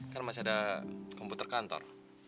kan masih ada komputer kantor